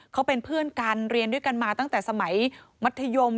เขาเป็นเพื่อนกันเรียนด้วยกันมาตั้งแต่สมัยมัธยม